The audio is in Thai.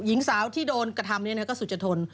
หญิงสาวที่โดนกระทำเนี่ยนะก็สุจทน